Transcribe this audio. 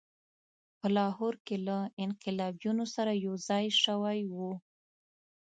په لاهور کې له انقلابیونو سره یوځای شوی وو.